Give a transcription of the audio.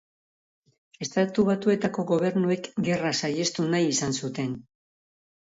Estatu Batuetako gobernuek gerra saihestu nahi izan zuten.